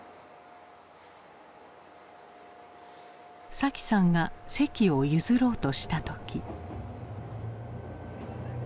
沙季さんが席を譲ろうとした時。